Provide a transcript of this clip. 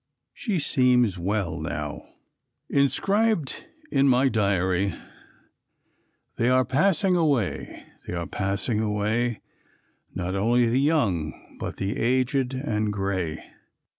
She seems well now. Inscribed in my diary: "They are passing away, they are passing away, Not only the young, but the aged and gray.